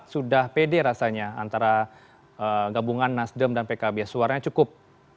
sudah pede rasanya antara gabungan nasdem dan pkb suaranya cukup